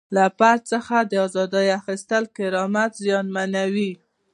له فرد څخه د ازادۍ اخیستل کرامت زیانمنوي.